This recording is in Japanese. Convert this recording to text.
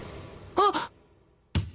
あっ！